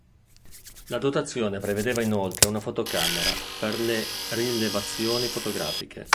La dotazione prevedeva inoltre una fotocamera per le rilevazioni fotografiche.